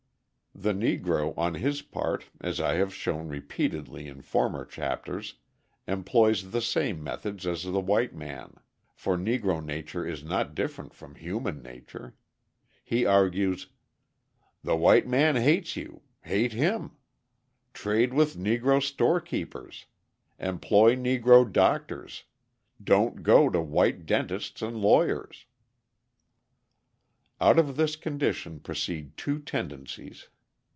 The Negro, on his part, as I have shown repeatedly in former chapters, employs the same methods as the white man, for Negro nature is not different from human nature. He argues: "The white man hates you; hate him. Trade with Negro storekeepers; employ Negro doctors; don't go to white dentists and lawyers." Out of this condition proceed two tendencies.